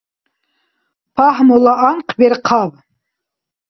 Пагьмула анхъ берхъаб!